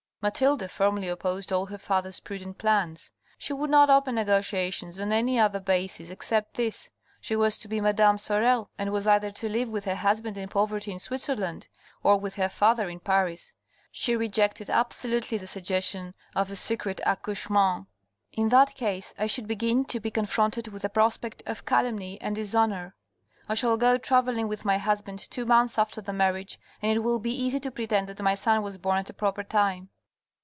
Mathilde firmly opposed all her father's prudent plans. She would not open negotiations on any other basis except this. She was to be Madame Sorel, and was either to live with her husband in poverty in Switzerland, or with her father in Paris. She rejected absolutely the suggestion of a secret ac couchement. " In that case I should begin to be confronted with a prospect of calumny and dishonour. I shall go travel 29 45o THE RED AND THE BLACK ling with my husband two months after the marriage, and it will be easy to pretend that my son was born at a proper time."